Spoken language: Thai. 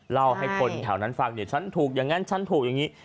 เล่าให้คนแถวนั้นฟังเนี่ยฉันถูกอย่างนั้นฉันถูกอย่างนี้